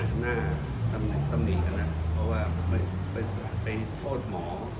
หน้าทำหนีกันนะเพราะว่าไปโทษหมอ